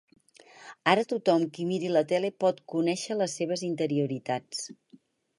Ara tothom qui miri la tele pot conèixer les seves interioritats.